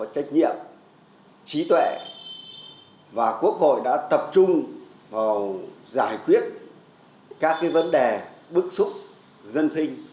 trách nhiệm trí tuệ và quốc hội đã tập trung vào giải quyết các vấn đề bức xúc dân sinh